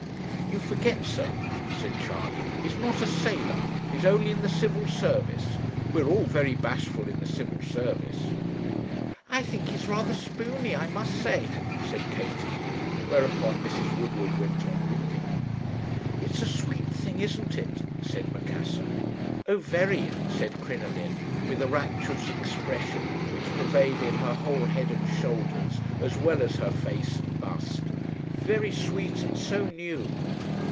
'You forget, sir,' said Charley,' he's not a sailor, he's only in the Civil Service; we're all very bashful in the Civil Service.' 'I think he is rather spooney, I must say,' said Katie; whereupon Mrs. Woodward went on reading. "'It's a sweet thing, isn't it?' said Macassar. "'Oh, very!' said Crinoline, with a rapturous expression which pervaded her whole head and shoulders as well as her face and bust 'very sweet, and so new.'